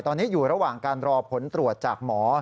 ตอนนี้อยู่ระหว่างการรอผลตรวจจากหมอ